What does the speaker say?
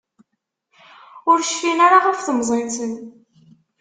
Ur cfin ara ɣef temẓi-nsen.